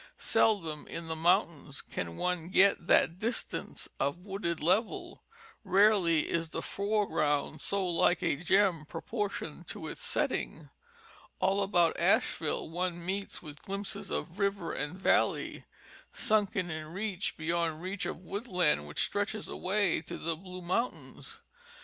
Seldom in the mountains can one get that distance of wooded level, rarely is the fore ground so like a gem proportioned to its setting; all about Ashe ville one meets with glimpses of river and valley, sunken in reach beyond reach of woodland which stretch away to the blue mountains.